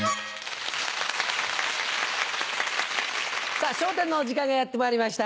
さぁ『笑点』のお時間がやってまいりました。